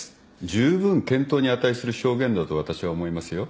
じゅうぶん検討に値する証言だと私は思いますよ。